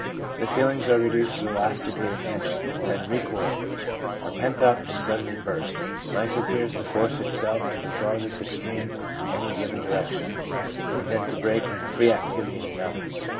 The feelings are reduced to the last degree of tension, and then recoil; are pent up, and suddenly burst; life appears to force itself to the farthest extreme in a given direction, and then to break into free activity in another.